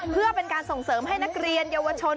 เพื่อเป็นการส่งเสริมให้นักเรียนเยาวชน